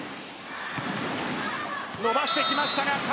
伸ばしてきましたが角。